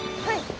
はい。